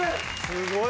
すごい。